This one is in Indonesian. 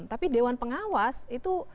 tapi dewan pengawas itu